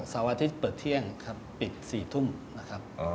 เสาร์อาทิตย์เปิดเที่ยงครับปิด๔ทุ่มนะครับ